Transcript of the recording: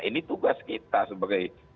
ini tugas kita sebagai